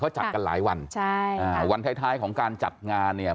จัดกันหลายวันใช่อ่าวันท้ายท้ายของการจัดงานเนี่ย